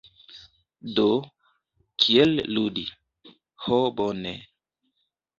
Do. "Kiel ludi". Ho bone.